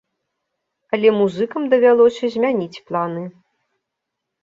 Але музыкам давялося змяніць планы.